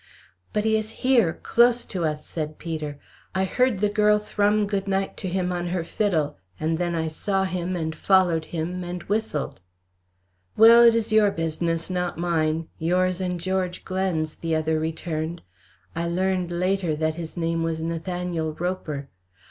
"But he is here, close to us," said Peter. "I heard the girl thrum good night to him on her fiddle, and then I saw him, and followed him, and whistled." "Well, it is your business, not mine. Yours and George Glen's," the other returned. I learned later that his name was Nathaniel Roper.